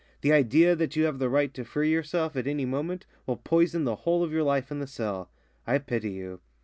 The idea that you have the right to free yourself at any moment will poison the whole of your life in the cell. I pity you."